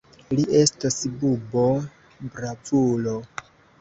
Li estos bubo-bravulo!